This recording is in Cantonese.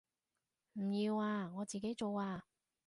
唔要啊，我自己做啊